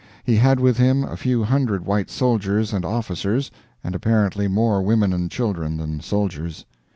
He had with him a few hundred white soldiers and officers, and apparently more women and children than soldiers.